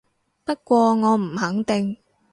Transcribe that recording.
不過我唔肯定